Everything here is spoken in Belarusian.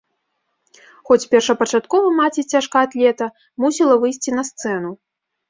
Хоць першапачаткова маці цяжкаатлета мусіла выйсці на сцэну.